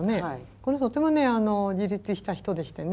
この人とても自立した人でしてね。